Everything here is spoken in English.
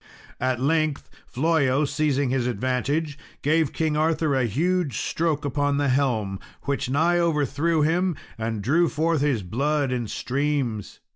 At length, Flollo, seizing his advantage, gave King Arthur a huge stroke upon the helm, which nigh overthrew him, and drew forth his blood in streams.